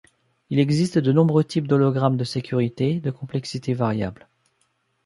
Il existe de nombreux types d'hologrammes de sécurité, de complexité variable.